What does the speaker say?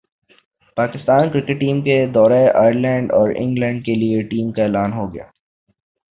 Pakistan cricket team کے دورہ Ireland اور انگلینڈ کیلئے ٹیم کا اعلان ہو گیا